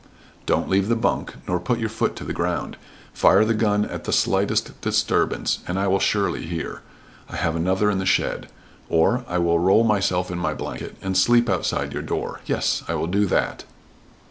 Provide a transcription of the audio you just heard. "Don't leave the bunk, nor put your foot to the ground. Fire the gun at the slightest disturbance, and I will surely hear. I have another in the shed. Or I will roll myself in my blanket, and sleep outside your door. Yes, I will do that."